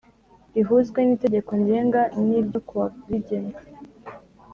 rihuzwe n Itegeko Ngenga n ryo ku wa rigena